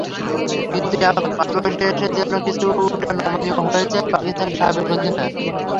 কিন্তু এখন মাঝবয়সে এসে যেন কিছুটা নমনীয় হয়েছেন পাকিস্তানের সাবেক অধিনায়ক।